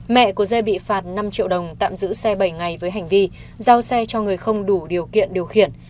mẹ của dê bị phạt năm triệu đồng tạm giữ xe bảy ngày với hành vi giao xe cho người không đủ điều kiện điều khiển